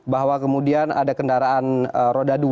bahwa kemudian ada kendaraan roda dua